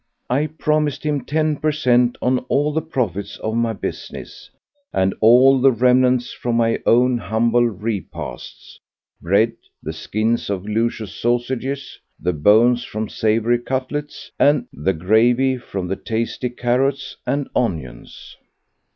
I promised him ten per cent. on all the profits of my business, and all the remnants from my own humble repasts—bread, the skins of luscious sausages, the bones from savoury cutlets, the gravy from the tasty carrots and onions.